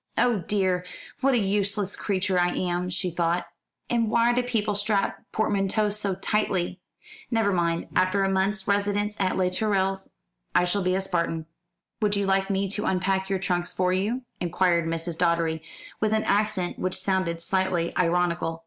"Oh dear, what a useless creature I am," she thought; "and why do people strap portmanteaux so tightly? Never mind, after a month's residence at Les Tourelles I shall be a Spartan." "Would you like me to unpack your trunks for you?" inquired Mrs. Doddery, with an accent which sounded slightly ironical.